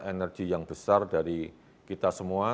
energi yang besar dari kita semua